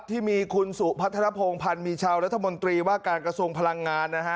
ที่มีคุณสุพัฒนภงพันธ์มีชาวรัฐมนตรีว่าการกระทรวงพลังงานนะฮะ